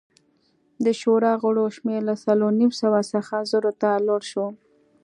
د شورا غړو شمېر له څلور نیم سوه څخه زرو ته لوړ شو